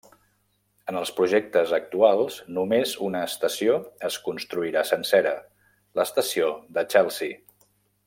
En els projectes actuals, només una estació es construirà sencera, l'estació de Chelsea.